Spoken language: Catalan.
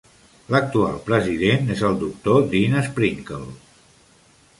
L'actual president és el doctor Dean Sprinkle.